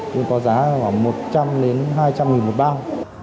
thì có giá khoảng một trăm linh hai trăm linh một bao